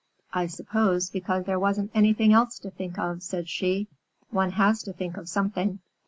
"I suppose because there wasn't anything else to think of," said she. "One has to think of something."